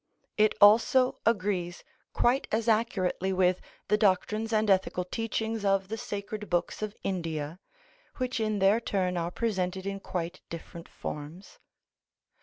It also agrees quite as accurately with the doctrines and ethical teachings of the sacred books of India, which in their turn are presented in quite different forms.